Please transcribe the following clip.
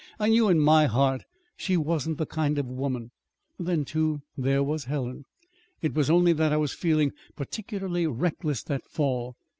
I knew, in my heart, she wasn't the kind of woman Then, too, there was Helen. It was only that I was feeling particularly reckless that fall.